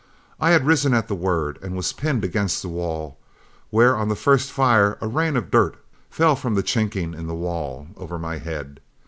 I had risen at the word and was pinned against the wall, where on the first fire a rain of dirt fell from the chinking in the wall over my head.